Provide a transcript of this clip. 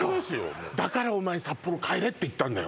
もうだからお前札幌帰れって言ったんだよ